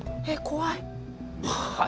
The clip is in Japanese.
怖い。